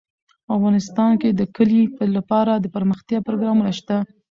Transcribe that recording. افغانستان کې د کلي لپاره دپرمختیا پروګرامونه شته.